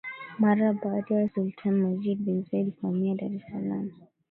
Mara baada ya Sultani Majid bin Said kuhamia Dar es Salaam